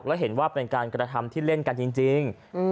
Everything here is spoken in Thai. แล้วเห็นว่าเป็นการกระทำที่เล่นกันจริง